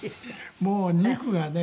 もう肉がね